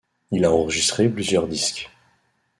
Il a enregistré plusieurs disques.